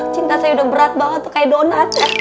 cinta saya udah berat banget tuh kayak donat